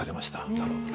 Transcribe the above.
なるほどね。